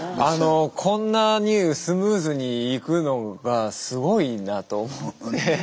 こんなにスムーズにいくのがすごいなと思って。